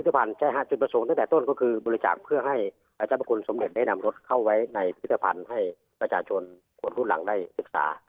หลังจุดผสมตั้งแต่ต้นก็คือบริจาคเพื่อ